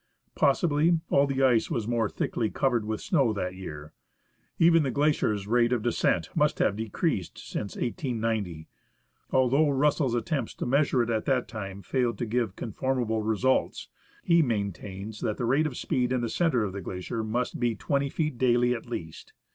Possibly, all the ice was more thickly covered with snow that year. Even the glacier's rate of descent must have decreased since 1890. Although Russell's attempts to measure it at the time failed to give con formable results, he maintains that the rate of speed in the centre of the glacier must be 20 feet daily, at the least.